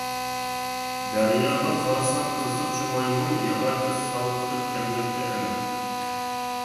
دەرياغا قارىسام قىزىقچى مايمۇن، ياغاچنى سال قىلىپ كەلمەكتە ئەنە.